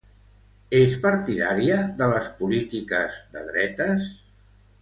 És partidària de les polítiques de dretes?